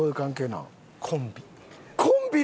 コンビ。